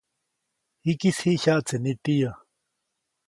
Jikis jiʼ jyaʼtse nitiyä.